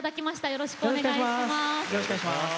よろしくお願いします。